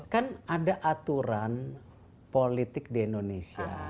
kan ada aturan politik di indonesia